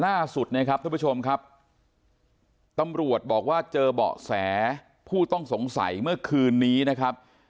ล่าสุดนะครับทุกผู้ชมครับตำรวจบอกว่าเจอเบาะแสผู้ต้องสงสัยเมื่อคืนนี้นะครับ